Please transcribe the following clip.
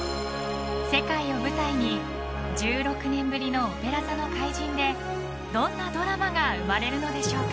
世界を舞台に、１６年ぶりの「オペラ座の怪人」でどんなドラマが生まれるのでしょうか。